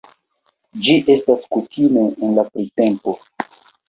Ĝi estas kutime en la printempo.